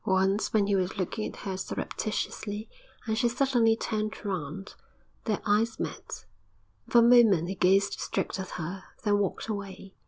Once, when he was looking at her surreptitiously, and she suddenly turned round, their eyes met, and for a moment he gazed straight at her, then walked away.